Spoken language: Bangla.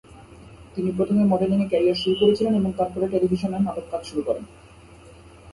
তিনি প্রথমে মডেলিংয়ে ক্যারিয়ার শুরু করেছিলেন এবং তারপরে টেলিভিশন নাটক কাজ শুরু করেন।